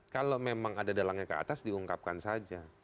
kalau memang ada dalangnya ke atas diungkapkan saja